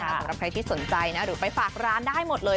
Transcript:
สำหรับใครที่สนใจนะหรือไปฝากร้านได้หมดเลย